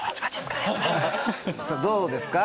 どうですか？